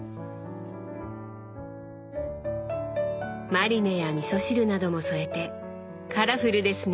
マリネやみそ汁なども添えてカラフルですね！